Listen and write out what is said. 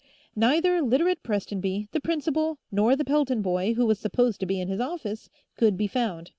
Neither Literate Prestonby, the principal, nor the Pelton boy, who was supposed to be in his office, could be found.